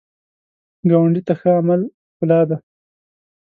ګاونډي ته ښه عمل ښکلا ده